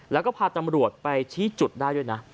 แล้วก็พาตำรวจไปชี้จุดได้ด้วยนะ